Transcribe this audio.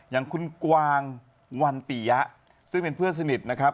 อย่างคุณกวางวันปียะซึ่งเป็นเพื่อนสนิทนะครับ